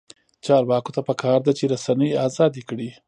چارواکو ته پکار ده چې، رسنۍ ازادې کړي.